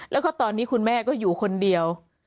แล้วก็ตอนนี้คุณแม่ก็อยู่คนเดียว